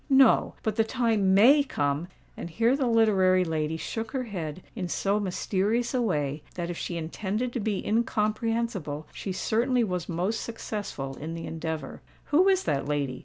No:—but the time may come——" And here the literary lady shook her head in so mysterious a way that if she intended to be incomprehensible, she certainly was most successful in the endeavour. "Who is that lady?"